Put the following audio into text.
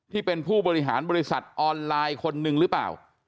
ที่เป็นผู้บริหารบริษัทออนไลน์คนนึงหรือเปล่า